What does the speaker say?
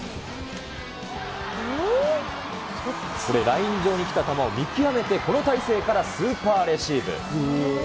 これ、ライン上に来た球を見極めて、この体勢からスーパーレシーブ。